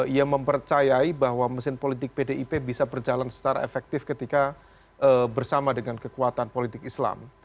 ia mempercayai bahwa mesin politik pdip bisa berjalan secara efektif ketika bersama dengan kekuatan politik islam